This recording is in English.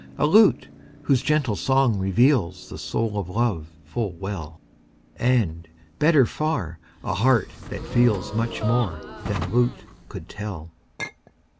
A lute whose gentle song reveals The soul of love full well; And, better far, a heart that feels Much more than lute could tell.